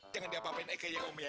jangan diapapain eike ya om ya